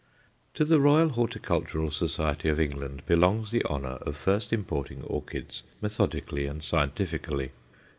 To the Royal Horticultural Society of England belongs the honour of first importing orchids methodically and scientifically.